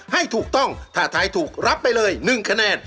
ให้ถูกต้องถ้าทายถูกรับไปเลย๑คะแนน